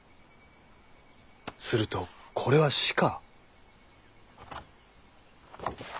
するとこれは「死」か？